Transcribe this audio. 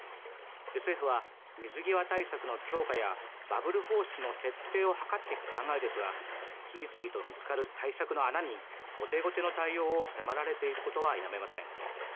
政府は水際対策の強化やバブル方式の徹底を図っていく考えですが次々と見つかる対策の穴に後手後手の対応を迫られていることは否めません。